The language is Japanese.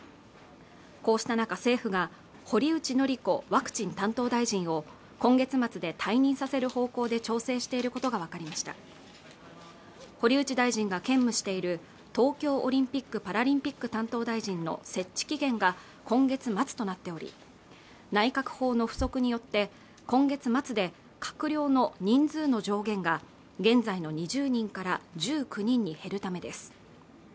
こうした中政府が堀内詔子ワクチン担当大臣を今月末で退任させる方向で調整していることが分かりました堀内大臣が兼務している東京オリンピック・パラリンピック担当大臣の設置期限が今月末となっており内閣法の付則によって今月末で閣僚の人数の上限が現在の２０人から１９人に減るためです